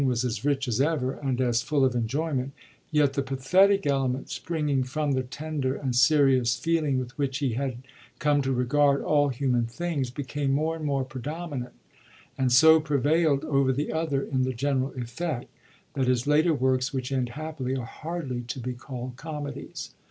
s as rich as ever and as full of enjoyment, yet the XMithetic element springing from the tender and serious feeling with which he had come to regard all humac things became more and more predominant, and so prevailed over the other in the general effect, that his later works which end happily are hardly to be called comedies.